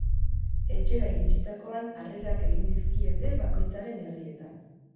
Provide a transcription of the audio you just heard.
Etxera iritsitakoan harrerak egin dizkiete bakoitzaren herrietan.